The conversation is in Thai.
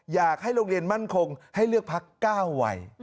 อยากให้โรงเรียนมั่นคงให้เลือกพัก๙วัย